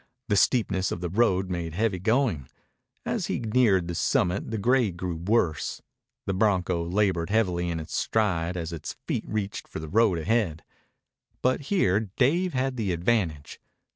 The steepness of the road made heavy going. As he neared the summit the grade grew worse. The bronco labored heavily in its stride as its feet reached for the road ahead. But here Dave had the advantage.